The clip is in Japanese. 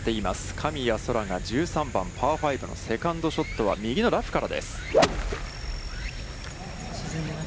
神谷そらが１３番パー５のセカンドショットは、右のラフからです。